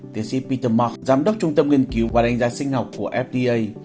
tiến sĩ peter marks giám đốc trung tâm nghiên cứu và đánh giá sinh học của fda